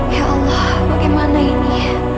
ya allah bagaimana ini